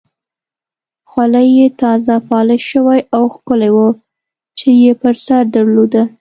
خولۍ یې تازه پالش شوې او ښکلې وه چې یې پر سر درلوده.